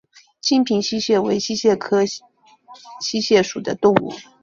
金平溪蟹为溪蟹科溪蟹属的动物。